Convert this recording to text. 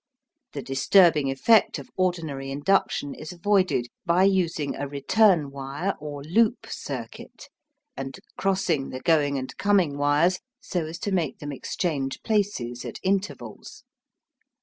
The disturbing effect of ordinary induction is avoided by using a return wire or loop circuit, and crossing the going and coming wires so as to make them exchange places at intervals.